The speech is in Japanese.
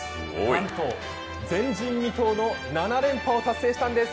なんと前人未到の７連覇を達成したんです。